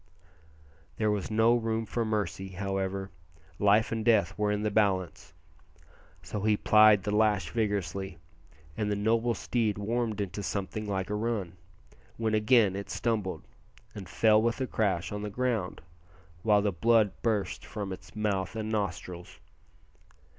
There was no room for mercy, however life and death were in the balance so he plied the lash vigorously, and the noble steed warmed into something like a run, when again it stumbled, and fell with a crash on the ground, while the blood burst from its mouth and nostrils.